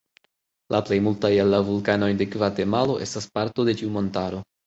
La plej multaj el la vulkanoj de Gvatemalo estas parto de tiu montaro.